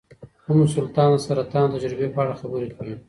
ام سلطان د سرطان د تجربې په اړه خبرې کوي.